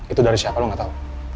itu dari siapa lo gak tau